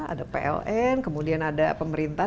ada pln kemudian ada pemerintah